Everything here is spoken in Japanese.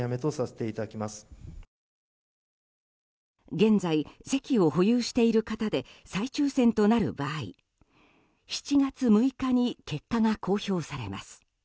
現在、席を保有している方で再抽選となる場合７月６日に結果が公表されます。